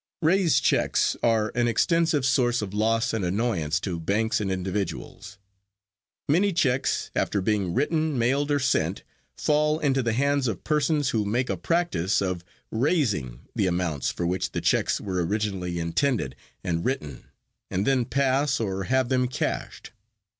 Raised checks are an extensive source of loss and annoyance to banks and individuals. Many checks, after being written, mailed or sent, fall into the hands of persons who make a practice of "raising" the amounts for which the checks were originally intended and written, and then pass or have them cashed.